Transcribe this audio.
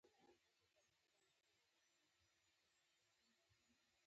د خدای بنده ګانو خدمت لوړه درجه لري.